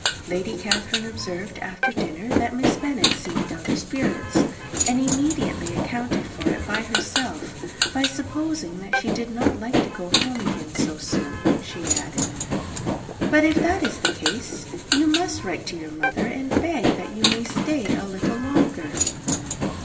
Lady Catherine observed, after dinner, that Miss Bennet seemed out of spirits; and immediately accounting for it herself, by supposing that she did not like to go home again so soon, she added, "But if that is the case, you must write to your mother to beg that you may stay a little longer.